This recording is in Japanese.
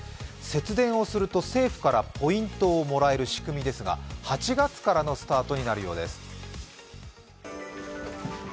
節電をすると政府からポイントをもらえる仕組みですが８月からのスタートになるようです